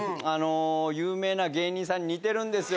有名な芸人さんに似てるんですよ